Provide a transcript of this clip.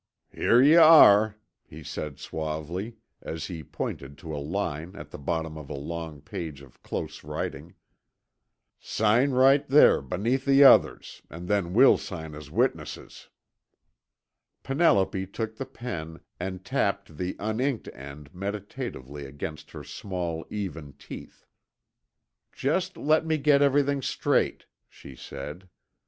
"Here you are," he said suavely, as he pointed to a line at the bottom of a long page of close writing. "Sign right there beneath the others and then we'll sign as witnesses." Penelope took the pen and tapped the un inked end meditatively against her small, even teeth. "Just let me get everything straight," she said.